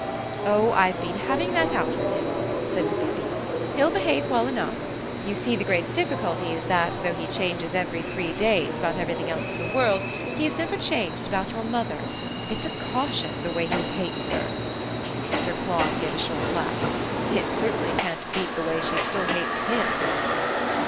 "Oh I've been having that out with him," said Mrs. Beale. "He'll behave well enough. You see the great difficulty is that, though he changes every three days about everything else in the world, he has never changed about your mother. It's a caution, the way he hates her." Sir Claude gave a short laugh. "It certainly can't beat the way she still hates HIM!"